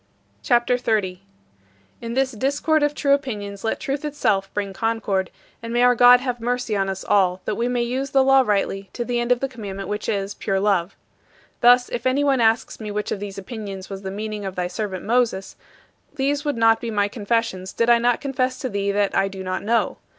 CHAPTER XXX 41. In this discord of true opinions let Truth itself bring concord, and may our God have mercy on us all, that we may use the law rightly to the end of the commandment which is pure love. Thus, if anyone asks me which of these opinions was the meaning of thy servant Moses, these would not be my confessions did I not confess to thee that I do not know.